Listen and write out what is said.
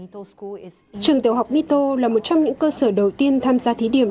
trường tiểu học mito là một trong những cơ sở đầu tiên tham gia thí điểm